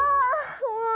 もう！